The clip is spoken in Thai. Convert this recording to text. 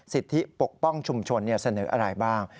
สิทธิปกป้องชุมชนเสนออะไรบ้าง